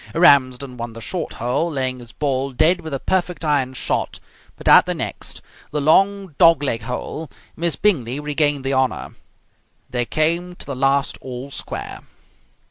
Ramsden won the short hole, laying his ball dead with a perfect iron shot, but at the next, the long dog leg hole, Miss Bingley regained the honour. They came to the last all square.